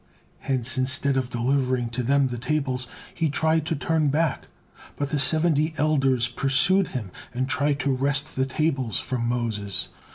Hence, instead of delivering to them the tables, he tried to turn back, but the seventy elders pursued him and tried to wrest the tables from Moses.